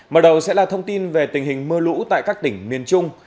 mở đầu sẽ là thông tin về tình hình mưa lũ tại các tỉnh miền trung